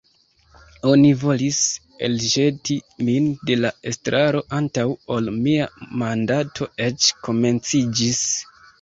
Oni volis elĵeti min de la estraro antaŭ ol mia mandato eĉ komenciĝis!